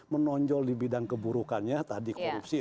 menonjol di bidang keburukannya tadi korupsi